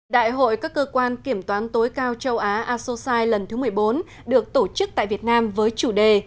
đại hội các cơ quan kiểm toán tối cao châu á asosai lần thứ một mươi bốn được tổ chức tại việt nam với chủ đề